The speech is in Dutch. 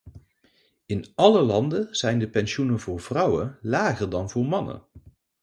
In alle landen zijn de pensioenen voor vrouwen lager dan voor mannen.